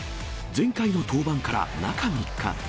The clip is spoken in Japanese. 前回の登板から中３日。